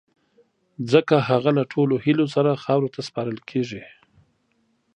ځڪه هغه له ټولو هیلو سره خاورو ته سپارل کیږی